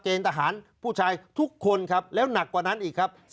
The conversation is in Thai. ทหารผู้ชายทุกคนครับแล้วหนักกว่านั้นอีกครับ